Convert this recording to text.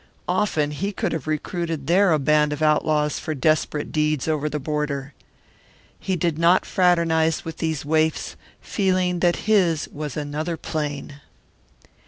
Often he could have recruited there a band of outlaws for desperate deeds over the border. He did not fraternize with these waifs, feeling that his was another plane.